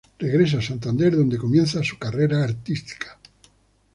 Regresa a Santander donde comienza su carrera artística.